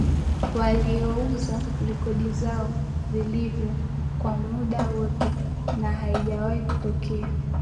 Waliouza rekodi zao vilivyo kwa muda wote na haijawahi kutokea